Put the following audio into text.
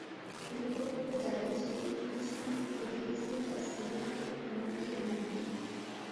হেলিকপ্টারটা যাদের, সেই প্রতিষ্ঠান এডিএসির কাছ থেকে ঠিকঠাক অনুমতিও নেওয়া হয়নি।